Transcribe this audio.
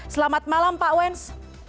selamat malam pak wens